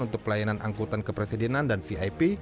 untuk pelayanan angkutan kepresidenan dan vip